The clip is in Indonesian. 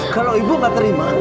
kalau ibu gak terima